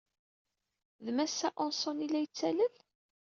D Massa Hansson ay la yettalel?